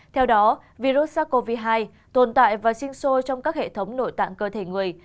theo đó virus sars cov hai tồn tại và sinh sôi trong các hệ thống nội tạng cơ thể người